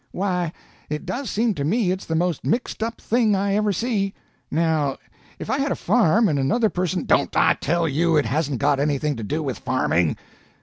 "Why, it does seem to me it's the most mixed up thing I ever see! Now, if I had a farm and another person—" "Don't I tell you it hasn't got anything to do with farming?